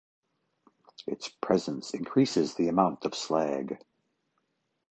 Its presence increases the amount of slag.